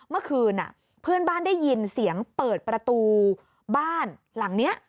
เมื่อคืนเพื่อนบ้านได้ยินเสียงเปิดประตูบ้านหลังนี้